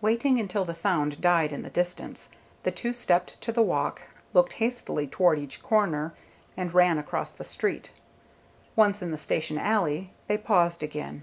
Waiting until the sound died in the distance, the two stepped to the walk, looked hastily toward each corner, and ran across the street. Once in the station alley, they paused again.